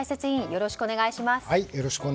よろしくお願いします。